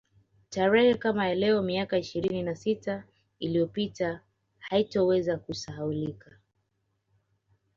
Tarehe kama ya leo miaka ishirini na sita iliyopita haitoweza kusahaulika